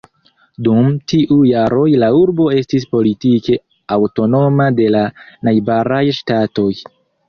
Dum tiuj jaroj la urbo estis politike aŭtonoma de la najbaraj ŝtatoj.